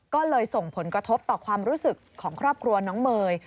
ก็เลยส่งผลกระทบต่อความรู้สึกของครอบครัวน้องเมย์